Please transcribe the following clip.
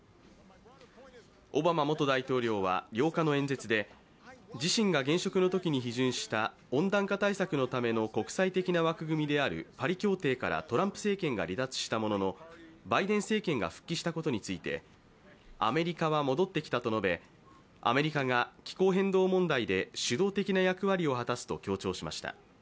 オバマ元大統領は８日の演説で自身が現職のときに批准した温暖化対策のための国際的な枠組みであるパリ協定からトランプ政権が離脱したもののバイデン政権が復帰したことについてアメリカは戻ってきたと述べ、アメリカが気候変動問題で主導的な役割を果たすと強調しました。